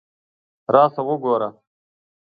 راشه وګوره!